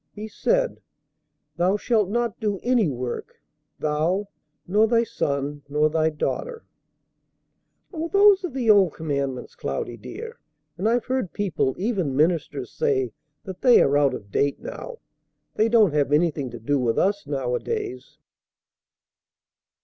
He said, 'Thou shalt not do any work, thou, nor thy son, nor thy daughter '" "Oh, those are the old commandments, Cloudy, dear; and I've heard people, even ministers, say that they are out of date now. They don't have anything to do with us nowadays."